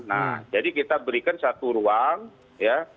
nah jadi kita berikan satu ruang ya